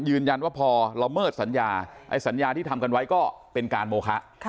ยืนยันว่าพอละเมิดสัญญาไอ้สัญญาที่ทำกันไว้ก็เป็นการโมคะ